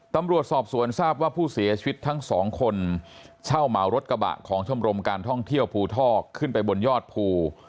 ตำรวจสอบสวนทราบว่าผู้เสียชีวิตทั้งสองคนเช่าเหมารถกระบะของชมรมการท่องเที่ยวภูทอกขึ้นไปบนยอดภู